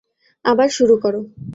আবার শুরু করো।